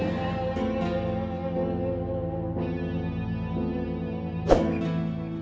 apa yang harus aku lakukan julie